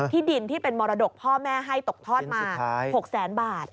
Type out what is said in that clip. ที่ดินที่เป็นมรดกพ่อแม่ให้ตกทอดมา๖๐๐๐๐๐๐บาท